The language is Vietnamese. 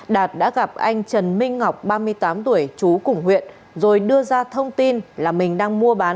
đạt đã gặp anh trần minh ngọc ba mươi tám tuổi chú cùng huyện rồi đưa ra thông tin là mình đang mua bán